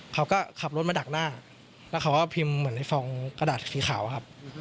เขาก็ขับรถมาดักหน้าแล้วเขาก็พิมพ์เหมือนในฟองกระดาษสีขาวครับ